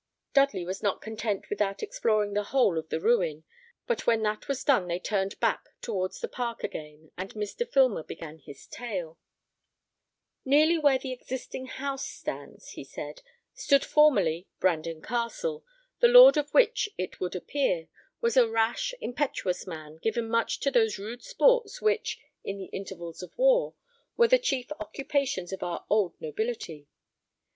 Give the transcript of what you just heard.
Dudley was not content without exploring the whole of the ruin; but when that was done they turned back towards the park again, and Mr. Filmer began his tale: "Nearly where the existing house stands," he said, "stood formerly Brandon Castle, the lord of which, it would appear, was a rash, impetuous man, given much to those rude sports which, in the intervals of war, were the chief occupations of our old nobility.